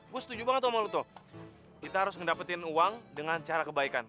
gue setuju banget sama lutu kita harus ngedapetin uang dengan cara kebaikan